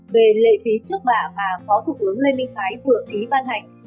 về lệ phí trước bạ mà phó thủ tướng lê minh khái vừa ký ban hành